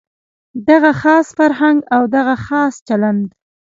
دغه خاص فرهنګ او دغه خاص چلند.